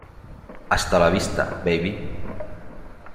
Hasta la Vista Baby!